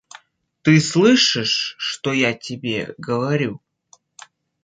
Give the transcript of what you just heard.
Ты слышишь, что я тебе говорю?